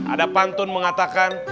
ada pantun mengatakan